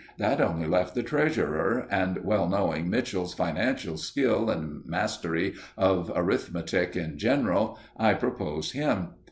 That only left the treasurer, and well knowing Mitchell's financial skill and mastery of arithmetic in general, I proposed him.